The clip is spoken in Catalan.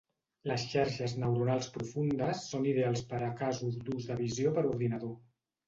Les xarxes neurals profundes són ideals per a casos d'ús de visió per ordinador.